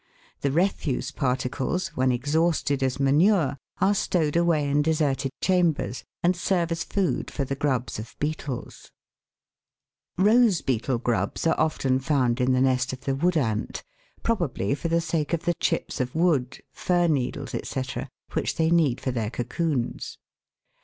The refuse particles, when exhausted as manure, are stowed away in deserted chambers, and serve as food for the grubs of beetles. Rose beetle grubs are often found in the nest of the wood ant (Fig. 42), probably for the sake of the chips of wood, fir needles, &c., which they need for their cocoons.